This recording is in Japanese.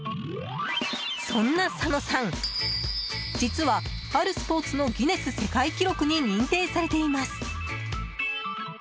そんな佐野さん、実はあるスポーツのギネス世界記録に認定されています。